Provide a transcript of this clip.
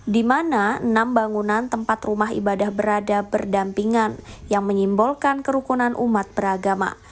di mana enam bangunan tempat rumah ibadah berada berdampingan yang menyimbolkan kerukunan umat beragama